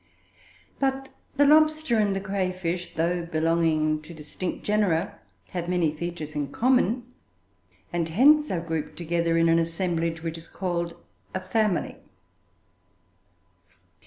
But the lobster and the cray fish, though belonging to distinct genera, have many features in common, and hence are grouped together in an assemblage which is called a family.